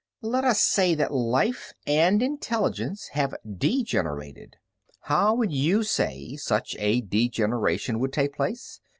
"Let us say that life and intelligence have degenerated. How would you say such a degeneration would take place?